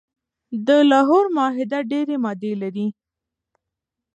د لاهور معاهده ډیري مادي لري.